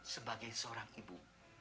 sebagai seorang ibu